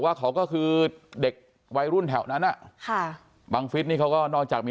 ว่าเขาก็คือเด็กวัยรุ่นแถวนั้นอ่ะค่ะบังฟิศนี่เขาก็นอกจากมี